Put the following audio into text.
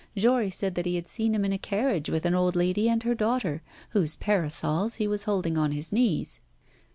Jory said that he had seen him in a carriage with an old lady and her daughter, whose parasols he was holding on his knees.